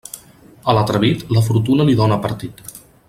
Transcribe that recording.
A l'atrevit, la fortuna li dóna partit.